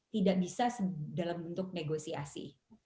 tidak bisa dalam bentuk negosiasi